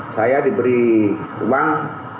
saya diberi uang